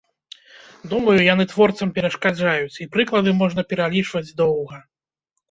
Думаю, яны творцам перашкаджаюць, і прыклады можна пералічваць доўга.